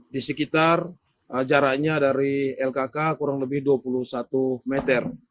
di sekitar jaraknya dari lkk kurang lebih dua puluh satu meter